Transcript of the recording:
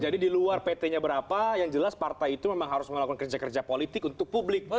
jadi diluar pt nya berapa yang jelas partai itu memang harus melakukan kerja kerja politik untuk publik